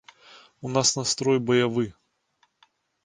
У нас настрой баявы.